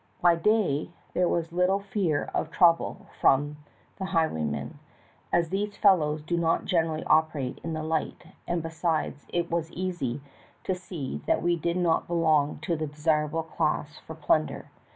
By day there was little fear of trouble from the highwaymen, as these fellows do not generally operate in the light, and besides it was easy to see that we did not belong to the desirable class for plunder.